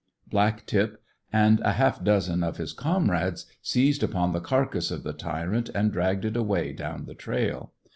Black tip and half a dozen of his comrades seized upon the carcase of the tyrant and dragged it away down the trail.